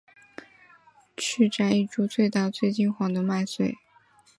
去摘一株最大最金黄的麦穗